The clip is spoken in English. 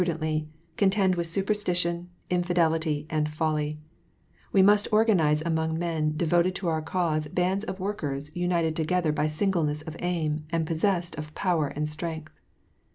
177 dently, contend with superstition, infidelity, and folly ; we must organize among the men devoted to our cause bands of workers, united together by singleness of aim, and possessed of power and strength.